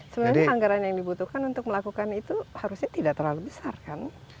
sebenarnya anggaran yang dibutuhkan untuk melakukan itu harusnya tidak terlalu besar kan